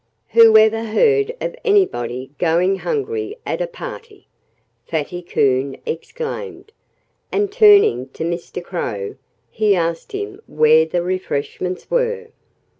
"Who ever heard of anybody going hungry at a party?" Fatty Coon exclaimed. And turning to Mr. Crow, he asked him where the refreshments were.